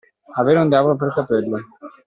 Avere un diavolo per capello.